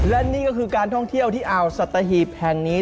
และนี่ก็คือการท่องเที่ยวที่อ่าวสัตหีบแห่งนี้